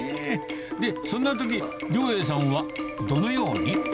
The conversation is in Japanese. で、そんなとき、了瑛さんはどのように？